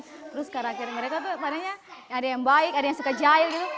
terus karakter mereka tuh padanya ada yang baik ada yang suka jahil gitu